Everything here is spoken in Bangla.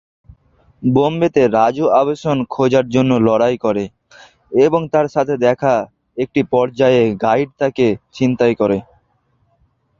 বোম্বেতে, রাজু আবাসন খোঁজার জন্য লড়াই করে, এবং তার সাথে দেখা একটি পর্যটক গাইড তাকে ছিনতাই করে।